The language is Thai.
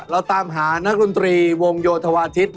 เราตามหานักดนตรีวงโยธวาทิศ